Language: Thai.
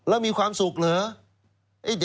แล้วมีความสุขเหรอ